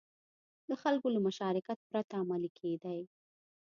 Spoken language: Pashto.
د خلکو له مشارکت پرته عملي کېدې.